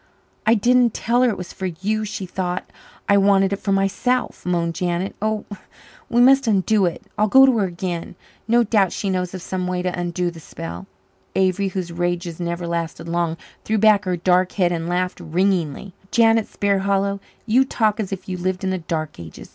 "I didn't tell her it was for you she thought I wanted it for myself," moaned Janet. "Oh, we must undo it I'll go to her again no doubt she knows of some way to undo the spell " Avery, whose rages never lasted long, threw back her dark head and laughed ringingly. "Janet Sparhallow, you talk as if you lived in the dark ages!